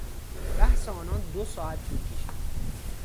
بحث آنان دو ساعت طول کشید.